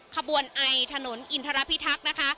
ขบวนไอถนนอินทรพิทักษ์นะคะ